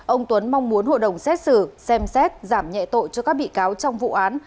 ông tuấn mong muốn hội đồng xét xử xem xét giảm nhẹ tội cho các bị cáo trong vụ án